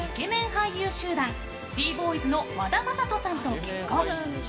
俳優集団Ｄ‐ＢＯＹＳの和田正人さんと結婚。